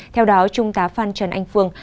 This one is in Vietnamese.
theo đó trung tá phan trần anh phương